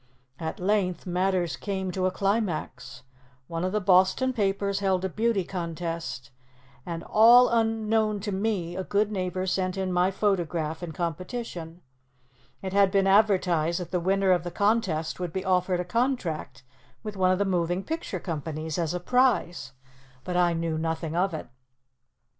At length, matters came to a climax. One of the Boston papers held a beauty contest, and, all unknown to me, a good neighbor sent in my photograph in competition. It had been advertised that the winner of the contest would be offered a contract with one of the moving picture companies as a prize, but I knew nothing of it.